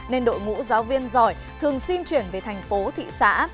nên đội ngũ giáo viên giỏi thường xin chuyển về thành phố thị xã